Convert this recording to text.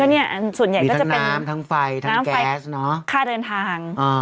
ก็นี่อันส่วนใหญ่มีทั้งน้ำทั้งไฟทั้งแก๊สเนอะค่าเดินทางอ่า